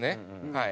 はい。